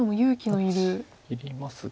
いりますが。